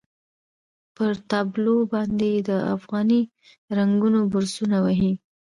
پر تابلو باندې یې د افغاني رنګونو برسونه وهي.